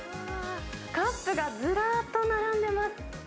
カップがずらっと並んでます。